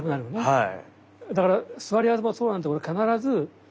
はい。